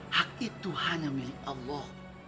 hak itu hanya milik allah